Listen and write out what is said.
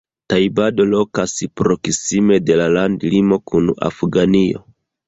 Tajbado lokas proksime de la landlimo kun Afganio.